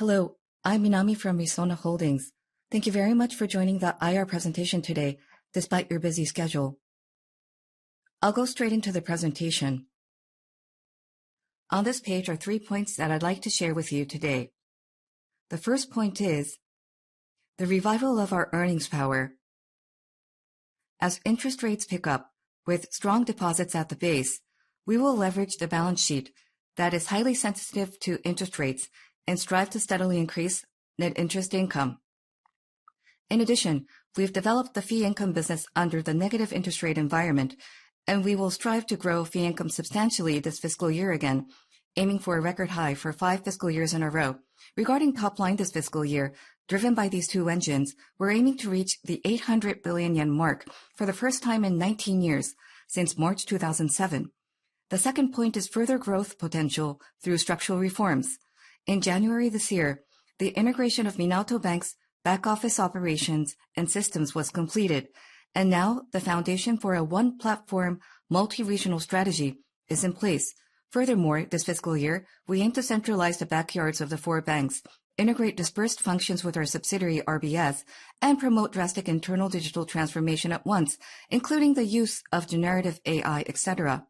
Hello, I'm Minami from Resona Holdings. Thank you very much for joining the IR presentation today, despite your busy schedule. I'll go straight into the presentation. On this page are three points that I'd like to share with you today. The first point is the revival of our earnings power. As interest rates pick up, with strong deposits at the base, we will leverage the balance sheet that is highly sensitive to interest rates and strive to steadily increase net interest income. In addition, we've developed the fee-income business under the negative interest rate environment, and we will strive to grow fee-income substantially this fiscal year again, aiming for a record high for five fiscal years in a row. Regarding top line this fiscal year, driven by these two engines, we're aiming to reach the ¥800 billion mark for the first time in 19 years since March 2007. The second point is further growth potential through structural reforms. In January this year, the integration of Minato Bank's back-office operations and systems was completed, and now the foundation for a one-platform, multi-regional strategy is in place. Furthermore, this fiscal year, we aim to centralize the backyards of the four banks, integrate dispersed functions with our subsidiary RBF, and promote drastic internal digital transformation at once, including the use of generative AI, etc.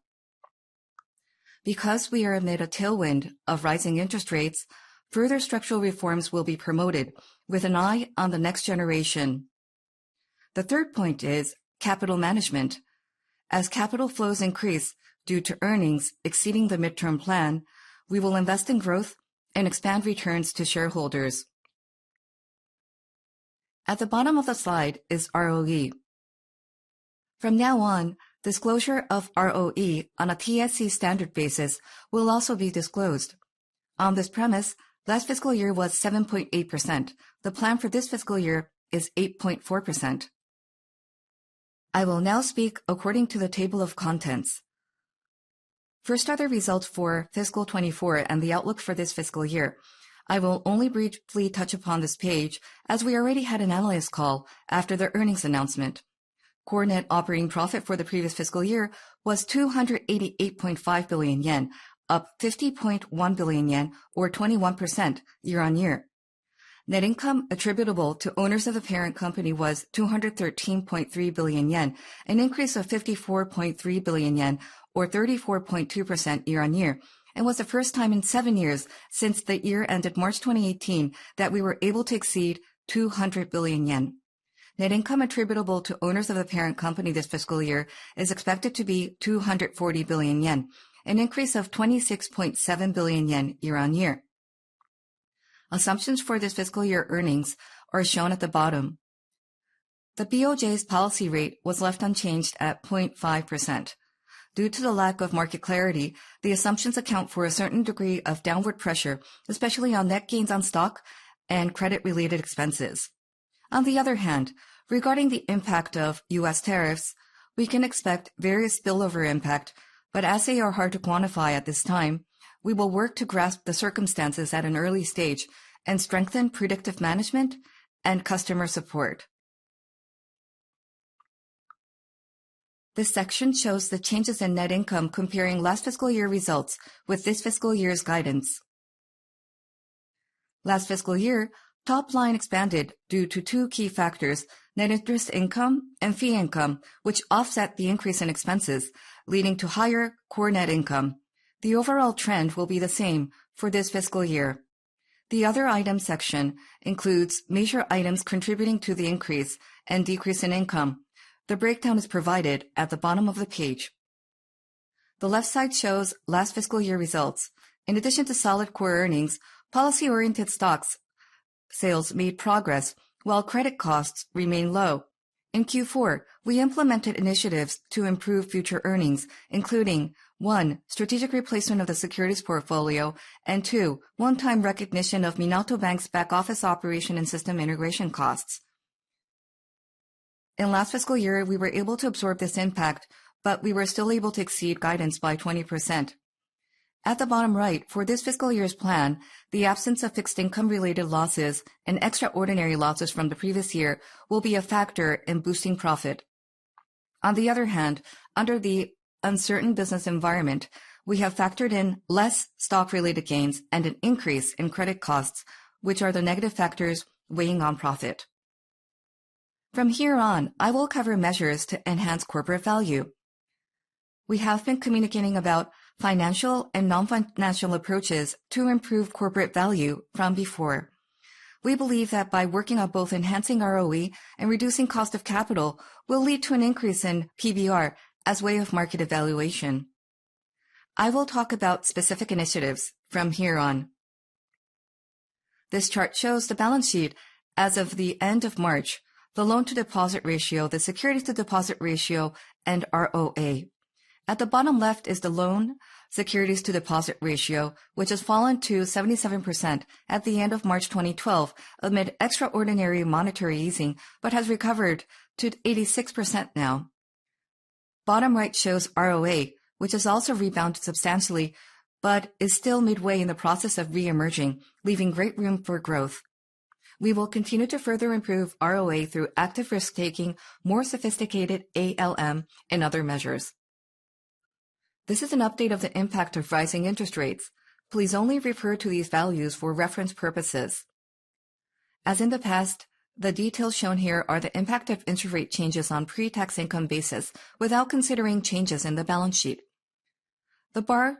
Because we are amid a tailwind of rising interest rates, further structural reforms will be promoted, with an eye on the next generation. The third point is capital management. As capital flows increase due to earnings exceeding the midterm plan, we will invest in growth and expand returns to shareholders. At the bottom of the slide is ROE. From now on, disclosure of ROE on a TSC standard basis will also be disclosed. On this premise, last fiscal year was 7.8%. The plan for this fiscal year is 8.4%. I will now speak according to the table of contents. For starter results for fiscal 2024 and the outlook for this fiscal year, I will only briefly touch upon this page, as we already had an analyst call after the earnings announcement. Core net operating profit for the previous fiscal year was ¥288.5 billion, up ¥50.1 billion, or 21% year-on-year. Net income attributable to owners of the parent company was ¥213.3 billion, an increase of ¥54.3 billion, or 34.2% year-on-year, and was the first time in seven years since the year ended March 2018 that we were able to exceed ¥200 billion. Net income attributable to owners of the parent company this fiscal year is expected to be ¥240 billion, an increase of ¥26.7 billion year-on-year. Assumptions for this fiscal year earnings are shown at the bottom. The BOJ's policy rate was left unchanged at 0.5%. Due to the lack of market clarity, the assumptions account for a certain degree of downward pressure, especially on net gains on stock and credit-related expenses. On the other hand, regarding the impact of U.S. tariffs, we can expect various spillover impact, but as they are hard to quantify at this time, we will work to grasp the circumstances at an early stage and strengthen predictive management and customer support. This section shows the changes in net income comparing last fiscal year results with this fiscal year's guidance. Last fiscal year, top line expanded due to two key factors: net interest income and fee income, which offset the increase in expenses, leading to higher core net income. The overall trend will be the same for this fiscal year. The other item section includes major items contributing to the increase and decrease in income. The breakdown is provided at the bottom of the page. The left side shows last fiscal year results. In addition to solid core earnings, policy-oriented stock sales made progress, while credit costs remained low. In Q4, we implemented initiatives to improve future earnings, including: one, strategic replacement of the securities portfolio, and two, one-time recognition of Minato Bank's back-office operation and system integration costs. In last fiscal year, we were able to absorb this impact, but we were still able to exceed guidance by 20%. At the bottom right, for this fiscal year's plan, the absence of fixed income-related losses and extraordinary losses from the previous year will be a factor in boosting profit. On the other hand, under the uncertain business environment, we have factored in less stock-related gains and an increase in credit costs, which are the negative factors weighing on profit. From here on, I will cover measures to enhance corporate value. We have been communicating about financial and non-financial approaches to improve corporate value from before. We believe that by working on both enhancing ROE and reducing cost of capital, we'll lead to an increase in PBR as a way of market evaluation. I will talk about specific initiatives from here on. This chart shows the balance sheet as of the end of March, the loan-to-deposit ratio, the securities-to-deposit ratio, and ROA. At the bottom left is the loan-securities-to-deposit ratio, which has fallen to 77% at the end of March 2012 amid extraordinary monetary easing, but has recovered to 86% now. Bottom right shows ROA, which has also rebounded substantially, but is still midway in the process of reemerging, leaving great room for growth. We will continue to further improve ROA through active risk-taking, more sophisticated ALM, and other measures. This is an update of the impact of rising interest rates. Please only refer to these values for reference purposes. As in the past, the details shown here are the impact of interest rate changes on a pre-tax income basis without considering changes in the balance sheet. The bar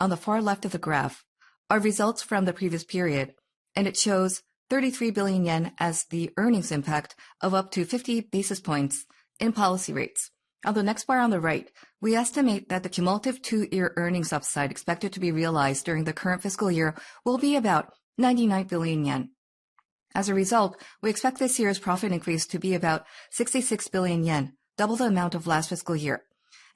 on the far left of the graph are results from the previous period, and it shows ¥33 billion as the earnings impact of up to 50 basis points in policy rates. On the next bar on the right, we estimate that the cumulative two-year earnings upside expected to be realized during the current fiscal year will be about ¥99 billion. As a result, we expect this year's profit increase to be about ¥66 billion, double the amount of last fiscal year.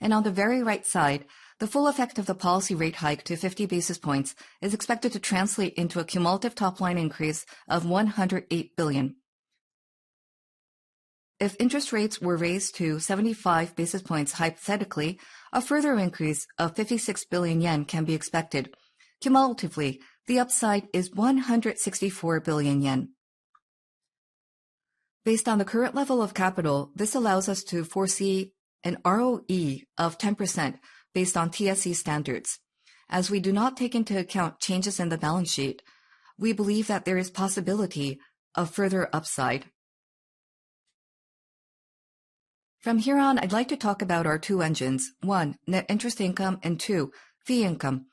On the very right side, the full effect of the policy rate hike to 50 basis points is expected to translate into a cumulative top line increase of ¥108 billion. If interest rates were raised to 75 basis points hypothetically, a further increase of ¥56 billion can be expected. Cumulatively, the upside is ¥164 billion. Based on the current level of capital, this allows us to foresee an ROE of 10% based on TSC standards. As we do not take into account changes in the balance sheet, we believe that there is a possibility of further upside. From here on, I'd like to talk about our two engines: one, net interest income, and two, fee income,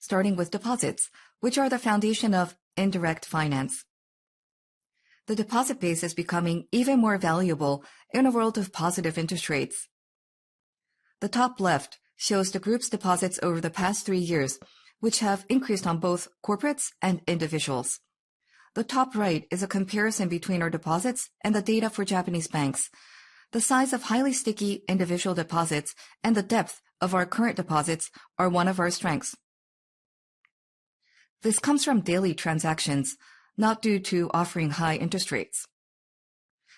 starting with deposits, which are the foundation of indirect finance. The deposit base is becoming even more valuable in a world of positive interest rates. The top left shows the group's deposits over the past three years, which have increased on both corporates and individuals. The top right is a comparison between our deposits and the data for Japanese banks. The size of highly sticky individual deposits and the depth of our current deposits are one of our strengths. This comes from daily transactions, not due to offering high interest rates.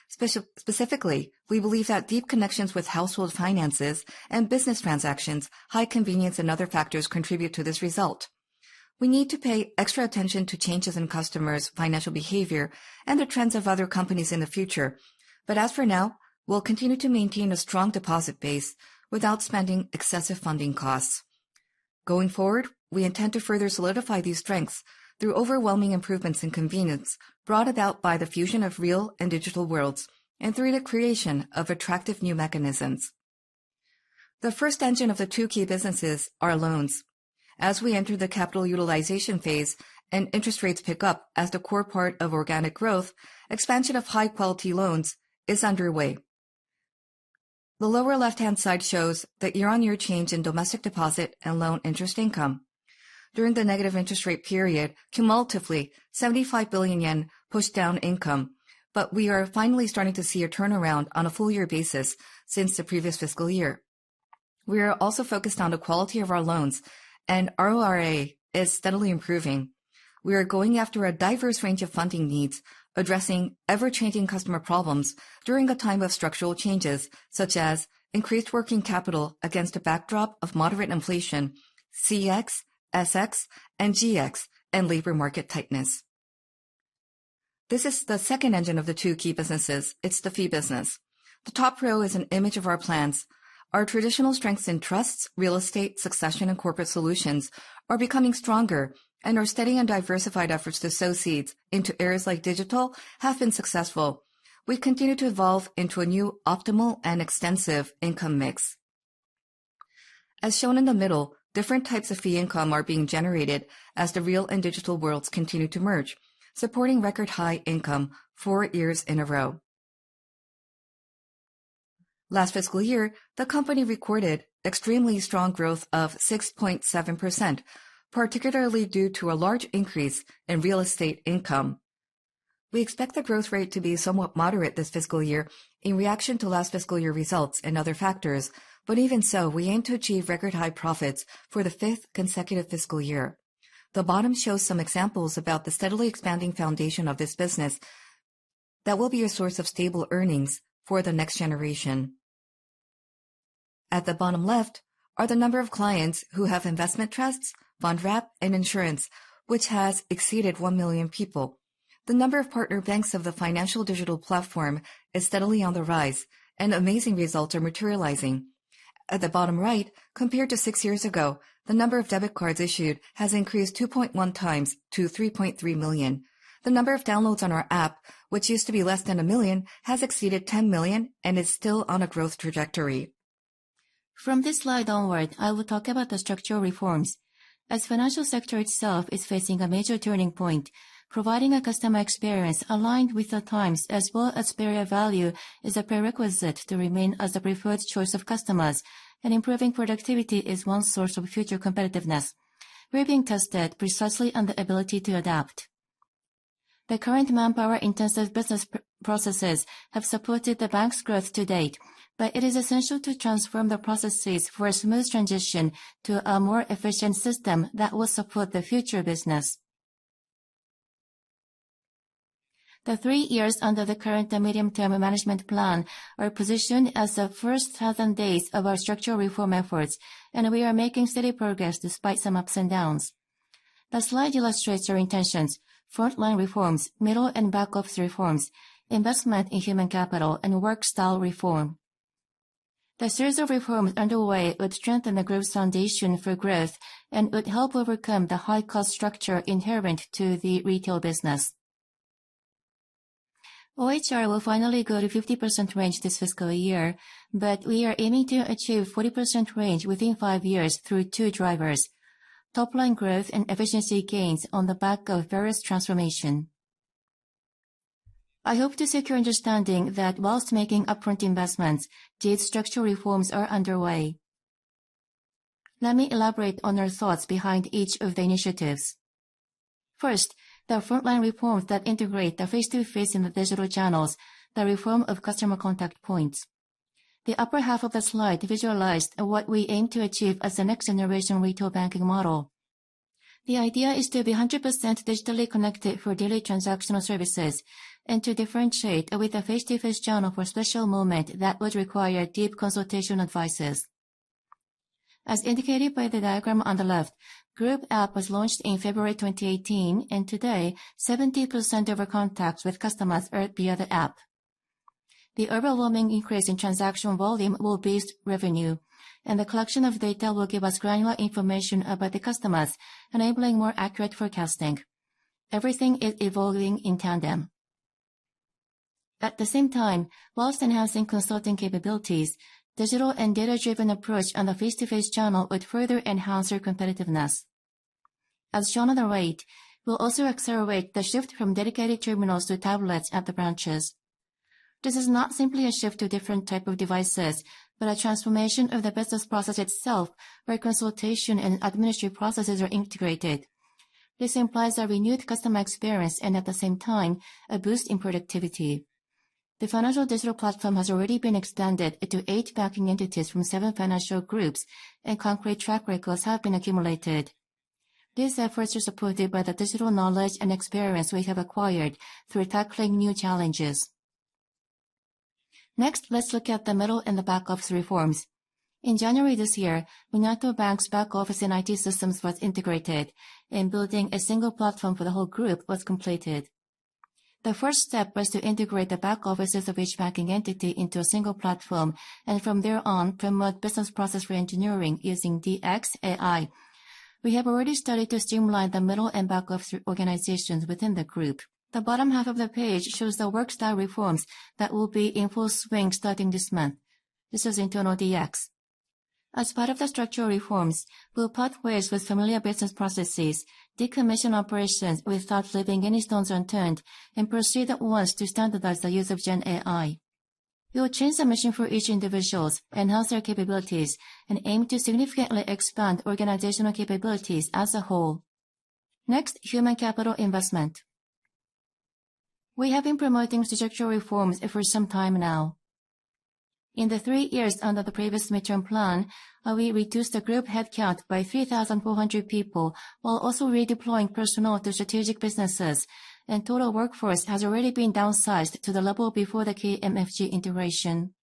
Specifically, we believe that deep connections with household finances and business transactions, high convenience, and other factors contribute to this result. We need to pay extra attention to changes in customers' financial behavior and the trends of other companies in the future, but as for now, we'll continue to maintain a strong deposit base without spending excessive funding costs. Going forward, we intend to further solidify these strengths through overwhelming improvements in convenience brought about by the fusion of real and digital worlds, and through the creation of attractive new mechanisms. The first engine of the two key businesses are loans. As we enter the capital utilization phase and interest rates pick up as the core part of organic growth, expansion of high-quality loans is underway. The lower left-hand side shows the year-on-year change in domestic deposit and loan interest income. During the negative interest rate period, cumulatively, ¥75 billion pushed down income, but we are finally starting to see a turnaround on a full-year basis since the previous fiscal year. We are also focused on the quality of our loans, and RORA is steadily improving. We are going after a diverse range of funding needs, addressing ever-changing customer problems during a time of structural changes, such as increased working capital against a backdrop of moderate inflation, CX, SX, and GX, and labor market tightness. This is the second engine of the two key businesses. It's the fee business. The top row is an image of our plans. Our traditional strengths in trusts, real estate, succession, and corporate solutions are becoming stronger, and our steady and diversified efforts to sow seeds into areas like digital have been successful. We continue to evolve into a new, optimal, and extensive income mix. As shown in the middle, different types of fee income are being generated as the real and digital worlds continue to merge, supporting record-high income four years in a row. Last fiscal year, the company recorded extremely strong growth of 6.7%, particularly due to a large increase in real estate income. We expect the growth rate to be somewhat moderate this fiscal year in reaction to last fiscal year results and other factors, but even so, we aim to achieve record-high profits for the fifth consecutive fiscal year. The bottom shows some examples about the steadily expanding foundation of this business that will be a source of stable earnings for the next generation. At the bottom left are the number of clients who have investment trusts, bond wrap, and insurance, which has exceeded 1 million people. The number of partner banks of the financial digital platform is steadily on the rise, and amazing results are materializing. At the bottom right, compared to six years ago, the number of debit cards issued has increased 2.1 times to 3.3 million. The number of downloads on our app, which used to be less than a million, has exceeded 10 million and is still on a growth trajectory. From this slide onward, I will talk about the structural reforms. As the financial sector itself is facing a major turning point, providing a customer experience aligned with the times as well as fair value is a prerequisite to remain as the preferred choice of customers, and improving productivity is one source of future competitiveness. We're being tested precisely on the ability to adapt. The current manpower-intensive business processes have supported the bank's growth to date, but it is essential to transform the processes for a smooth transition to a more efficient system that will support the future business. The three years under the current and medium-term management plan are positioned as the first seven days of our structural reform efforts, and we are making steady progress despite some ups and downs. The slide illustrates our intentions: frontline reforms, middle and back-office reforms, investment in human capital, and work-style reform. The series of reforms underway would strengthen the group's foundation for growth and would help overcome the high-cost structure inherent to the retail business. OHR will finally go to 50% range this fiscal year, but we are aiming to achieve 40% range within five years through two drivers: top-line growth and efficiency gains on the back of various transformation. I hope to secure understanding that whilst making upfront investments, these structural reforms are underway. Let me elaborate on our thoughts behind each of the initiatives. First, the frontline reforms that integrate the face-to-face and the digital channels, the reform of customer contact points. The upper half of the slide visualized what we aim to achieve as the next generation retail banking model. The idea is to be 100% digitally connected for daily transactional services and to differentiate with a face-to-face channel for special moments that would require deep consultation advices. As indicated by the diagram on the left, Group App was launched in February 2018, and today, 70% of our contacts with customers are via the app. The overwhelming increase in transaction volume will boost revenue, and the collection of data will give us granular information about the customers, enabling more accurate forecasting. Everything is evolving in tandem. At the same time, whilst enhancing consulting capabilities, digital and data-driven approach on the face-to-face channel would further enhance our competitiveness. As shown on the right, we'll also accelerate the shift from dedicated terminals to tablets at the branches. This is not simply a shift to different types of devices, but a transformation of the business process itself where consultation and administrative processes are integrated. This implies a renewed customer experience and, at the same time, a boost in productivity. The financial digital platform has already been expanded to eight banking entities from seven financial groups, and concrete track records have been accumulated. These efforts are supported by the digital knowledge and experience we have acquired through tackling new challenges. Next, let's look at the middle and the back-office reforms. In January this year, Minato Bank's back-office and IT systems were integrated, and building a single platform for the whole group was completed. The first step was to integrate the back offices of each banking entity into a single platform, and from there on, promote business process reengineering using DX AI. We have already started to streamline the middle and back-office organizations within the group. The bottom half of the page shows the work-style reforms that will be in full swing starting this month. This is internal DX. As part of the structural reforms, we'll pathways with familiar business processes, decommission operations without leaving any stones unturned, and proceed at once to standardize the use of Gen AI. We'll change the mission for each individual, enhance their capabilities, and aim to significantly expand organizational capabilities as a whole. Next, human capital investment. We have been promoting structural reforms for some time now. In the three years under the previous midterm plan, we reduced the group headcount by 3,400 people while also redeploying personnel to strategic businesses, and total workforce has already been downsized to the level before the key MFG integration.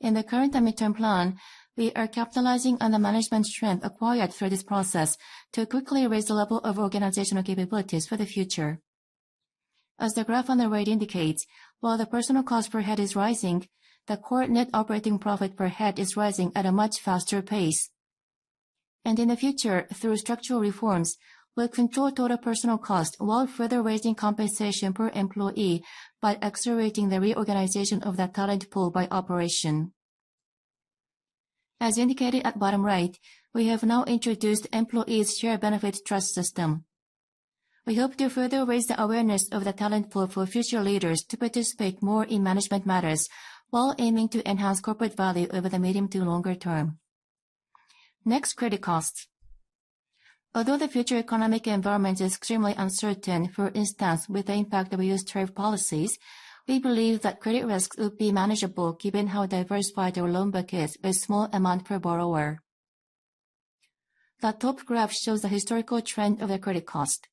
In the current midterm plan, we are capitalizing on the management strength acquired through this process to quickly raise the level of organizational capabilities for the future. As the graph on the right indicates, while the personal cost per head is rising, the core net operating profit per head is rising at a much faster pace. In the future, through structural reforms, we'll control total personal cost while further raising compensation per employee by accelerating the reorganization of the talent pool by operation. As indicated at bottom right, we have now introduced employees' share benefit trust system. We hope to further raise the awareness of the talent pool for future leaders to participate more in management matters while aiming to enhance corporate value over the medium to longer term. Next, credit costs. Although the future economic environment is extremely uncertain, for instance, with the impact of U.S. tariff policies, we believe that credit risks would be manageable given how diversified our loan book is with a small amount per borrower. The top graph shows the historical trend of the credit cost.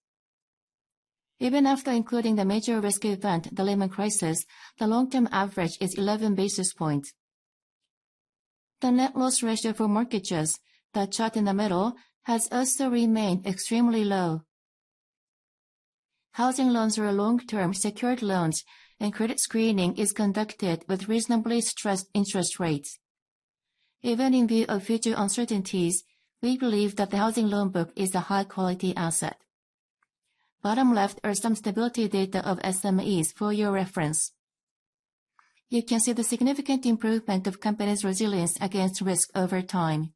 Even after including the major risk event, the Lehman Crisis, the long-term average is 11 basis points. The net loss ratio for mortgages, the chart in the middle, has also remained extremely low. Housing loans are long-term secured loans, and credit screening is conducted with reasonably stressed interest rates. Even in view of future uncertainties, we believe that the housing loan book is a high-quality asset. Bottom left are some stability data of SMEs for your reference. You can see the significant improvement of companies' resilience against risk over time.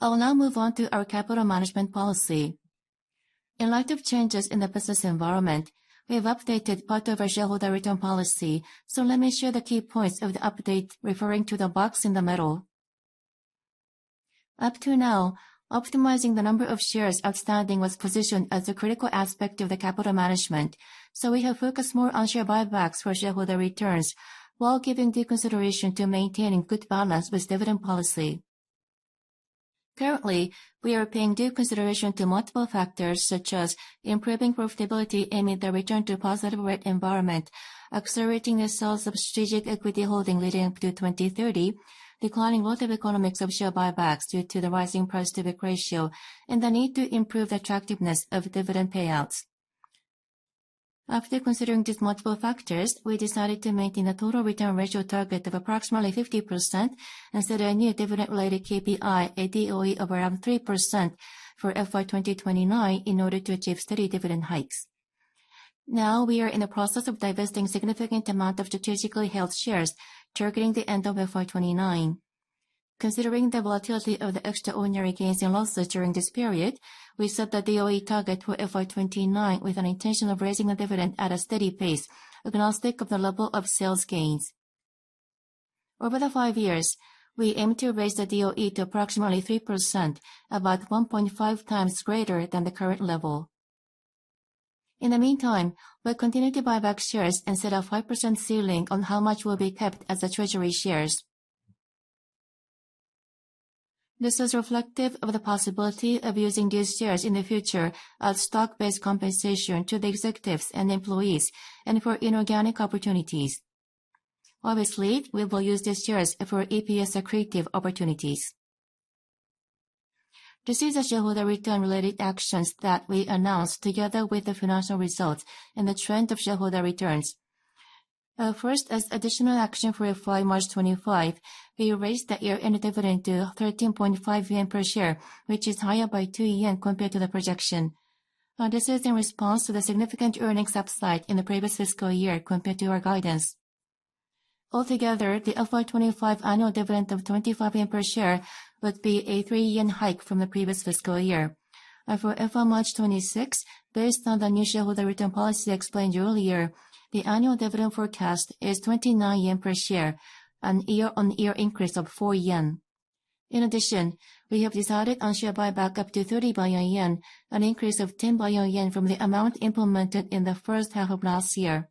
I'll now move on to our capital management policy. In light of changes in the business environment, we have updated part of our shareholder return policy, so let me share the key points of the update referring to the box in the middle. Up to now, optimizing the number of shares outstanding was positioned as a critical aspect of the capital management, so we have focused more on share buybacks for shareholder returns while giving due consideration to maintaining good balance with dividend policy. Currently, we are paying due consideration to multiple factors such as improving profitability aiming to return to a positive rate environment, accelerating the sales of strategic equity holding leading up to 2030, declining growth of economics of share buybacks due to the rising price-to-book ratio, and the need to improve the attractiveness of dividend payouts. After considering these multiple factors, we decided to maintain a total return ratio target of approximately 50% and set a new dividend-related KPI, a DOE of around 3% for FY 2029 in order to achieve steady dividend hikes. Now, we are in the process of divesting a significant amount of strategically held shares, targeting the end of FY 2029. Considering the volatility of the extraordinary gains and losses during this period, we set the DOE target for FY 2029 with an intention of raising the dividend at a steady pace, agnostic of the level of sales gains. Over the five years, we aim to raise the DOE to approximately 3%, about 1.5 times greater than the current level. In the meantime, we'll continue to buy back shares and set a 5% ceiling on how much will be kept as the treasury shares. This is reflective of the possibility of using these shares in the future as stock-based compensation to the executives and employees and for inorganic opportunities. Obviously, we will use these shares for EPS-accretive opportunities. This is the shareholder return-related actions that we announced together with the financial results and the trend of shareholder returns. First, as additional action for FY 2025, we raised the year-end dividend to ¥13.5 per share, which is higher by ¥2 compared to the projection. This is in response to the significant earnings upside in the previous fiscal year compared to our guidance. Altogether, the FY 2025 annual dividend of ¥25 per share would be a ¥3 hike from the previous fiscal year. For FY 2026, based on the new shareholder return policy explained earlier, the annual dividend forecast is ¥29 per share, a year-on-year increase of ¥4. In addition, we have decided on share buyback up to ¥30 billion, an increase of ¥10 billion from the amount implemented in the first half of last year.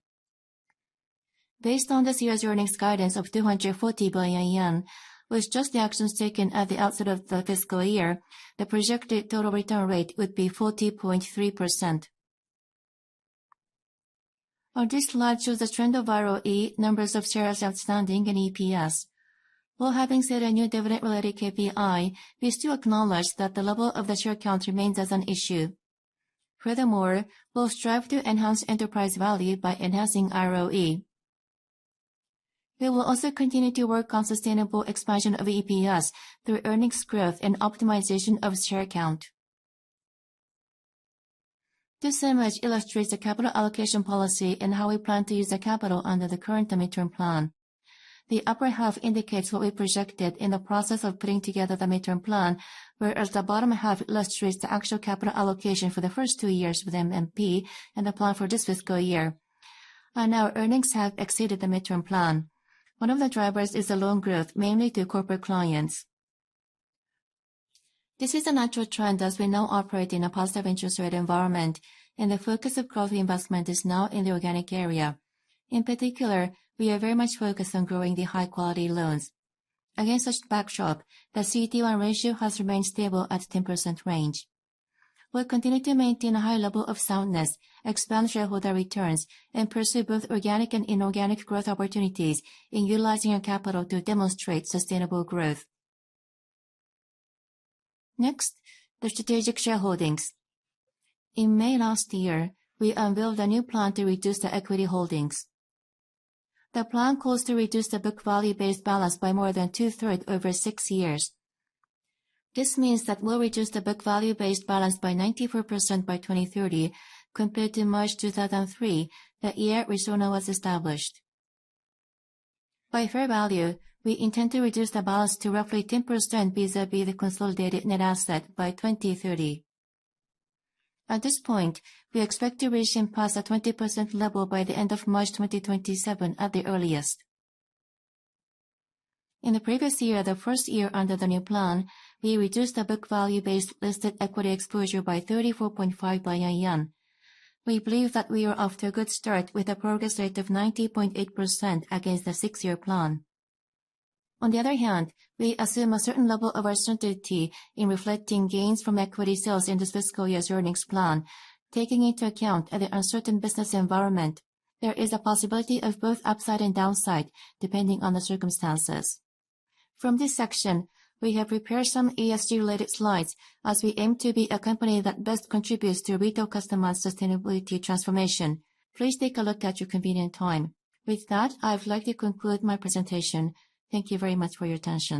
Based on this year's earnings guidance of ¥240 billion, with just the actions taken at the outset of the fiscal year, the projected total return rate would be 40.3%. This slide shows the trend of ROE, numbers of shares outstanding, and EPS. While having set a new dividend-related KPI, we still acknowledge that the level of the share count remains as an issue. Furthermore, we'll strive to enhance enterprise value by enhancing ROE. We will also continue to work on sustainable expansion of EPS through earnings growth and optimization of share count. This image illustrates the capital allocation policy and how we plan to use the capital under the current midterm plan. The upper half indicates what we projected in the process of putting together the midterm plan, whereas the bottom half illustrates the actual capital allocation for the first two years with MMP and the plan for this fiscal year. Now, earnings have exceeded the midterm plan. One of the drivers is the loan growth, mainly to corporate clients. This is a natural trend as we now operate in a positive interest rate environment, and the focus of growth investment is now in the organic area. In particular, we are very much focused on growing the high-quality loans. Against such backdrop, the CD1 ratio has remained stable at the 10% range. We'll continue to maintain a high level of soundness, expand shareholder returns, and pursue both organic and inorganic growth opportunities in utilizing our capital to demonstrate sustainable growth. Next, the strategic shareholdings. In May last year, we unveiled a new plan to reduce the equity holdings. The plan calls to reduce the book value-based balance by more than two-thirds over six years. This means that we'll reduce the book value-based balance by 94% by 2030, compared to March 2003, the year which Resona was established. By fair value, we intend to reduce the balance to roughly 10% vis-à-vis the consolidated net asset by 2030. At this point, we expect to reach and pass the 20% level by the end of March 2027 at the earliest. In the previous year, the first year under the new plan, we reduced the book value-based listed equity exposure by ¥34.5 billion. We believe that we are off to a good start with a progress rate of 90.8% against the six-year plan. On the other hand, we assume a certain level of uncertainty in reflecting gains from equity sales in this fiscal year's earnings plan, taking into account the uncertain business environment. There is a possibility of both upside and downside depending on the circumstances. From this section, we have prepared some ESG-related slides as we aim to be a company that best contributes to retail customer sustainability transformation. Please take a look at your convenient time. With that, I would like to conclude my presentation. Thank you very much for your attention.